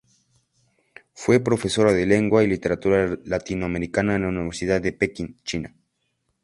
Fue profesora de Lengua y Literatura Latinoamericana en la Universidad de Pekín, China.